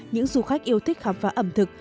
những du khách yêu thích khám phá ẩm thực